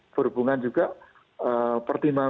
berhubungan juga pertimbangan